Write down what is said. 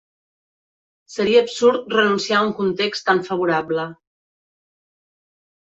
Seria absurd renunciar a un context tan favorable.